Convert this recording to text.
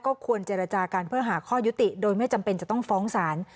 ควรเจรจากันเพื่อหาข้อยุติโดยไม่จำเป็นจะต้องฟ้องศาล